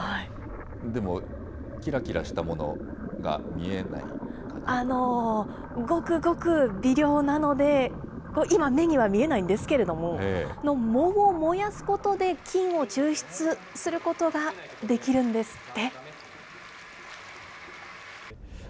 でも、きらきらしたものが見えなごくごく微量なので、今、目には見えないんですけれども、藻を燃やすことで金を抽出することができるんですって。